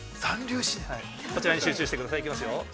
こちらに集中してください。